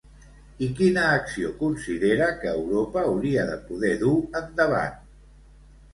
I quina acció considera que Europa hauria de poder dur endavant?